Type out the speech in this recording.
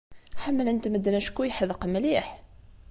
Ḥemmlen-t medden acku yeḥdeq mliḥ.